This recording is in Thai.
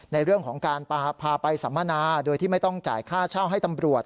ในเรื่องของการพาไปสัมมนาโดยที่ไม่ต้องจ่ายค่าเช่าให้ตำรวจ